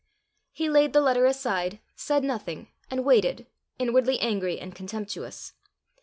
He laid the letter aside, said nothing, and waited, inwardly angry and contemptuous.